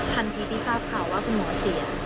ทันทีที่ทราบข่าวว่าคุณหมอเสีย